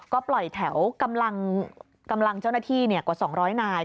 ก็ปล่อยแถวกำลังเจ้าหน้าที่กว่า๒๐๐นาย